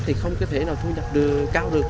thì không có thể nào thu nhập được cao được